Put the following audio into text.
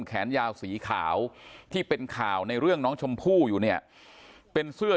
แขนยาวสีขาวที่เป็นข่าวในเรื่องน้องชมพู่อยู่เนี่ยเป็นเสื้อ